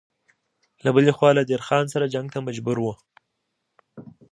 له بلې خوا له دیر خان سره جنګ ته مجبور و.